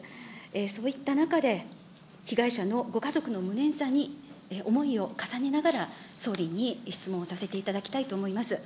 そういった中で、被害者のご家族の無念さに思いを重ねながら、総理にご質問させていただきたいと思います。